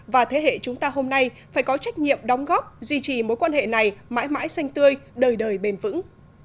và thế hệ chúng ta hôm nay phải có trách nhiệm đóng góp duy trì mối quan hệ này mãi mãi xanh tươi đời đời bền vững